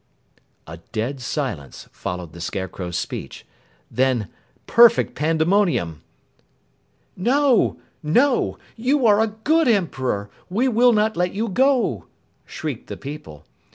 A dead silence followed the Scarecrow's speech then perfect pandemonium. "No! No! You are a good Emperor! We will not let you go!" shrieked the people.